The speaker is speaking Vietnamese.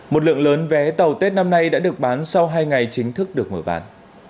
một lượng lớn vé tàu tết năm nay đã được bán sau hai ngày chính thức được mở bán